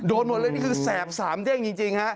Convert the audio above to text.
โดนหมดเลยนี่คือแสบสามเท่งจริง